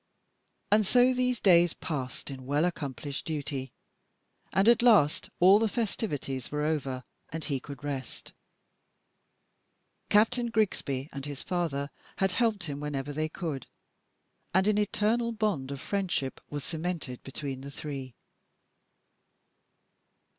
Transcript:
And so these days passed in well accomplished duty; and at last all the festivities were over, and he could rest. Captain Grigsby and his father had helped him whenever they could, and an eternal bond of friendship was cemented between the three.